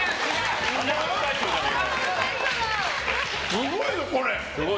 すごいよ、これ。